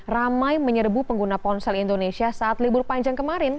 ramai menyerebu pengguna ponsel indonesia saat libur panjang kemarin